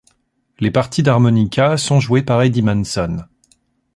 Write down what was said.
Les parties d'harmonica sont jouées par Eddy Manson.